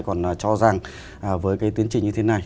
còn cho rằng với cái tiến trình như thế này